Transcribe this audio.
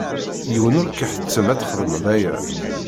Yiwen ur k-iḥettem ad txedmeḍ aya.